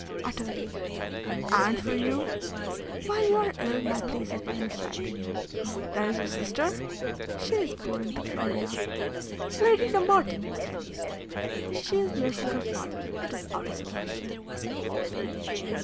"Utterly." "And for you? "While you are ill my place is by your side." "There is your sister?" "She is going to Florida." "Lady Dumbarton, then?" "She is nursing her father. It is out of the question."